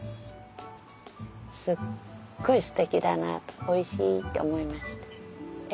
すっごいステキだなおいしいって思いました。